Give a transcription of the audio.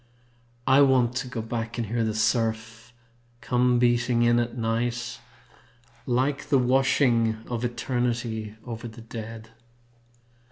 I want to go back and hear the surf Come beating in at night, Like the washing of eternity over the dead.